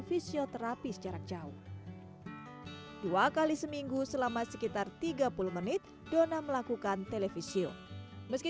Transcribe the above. fisioterapi secara jauh dua kali seminggu selama sekitar tiga puluh menit dona melakukan televisio meski